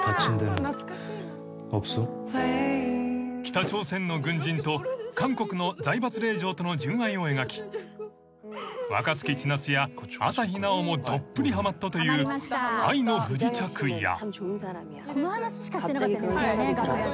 ［北朝鮮の軍人と韓国の財閥令嬢との純愛を描き若槻千夏や朝日奈央もどっぷりはまったという『愛の不時着』や］